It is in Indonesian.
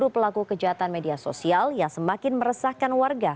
untuk terus memburu pelaku kejahatan media sosial yang semakin meresahkan warga